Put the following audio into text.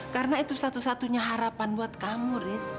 karena itu satu satunya harapan buat kamu riz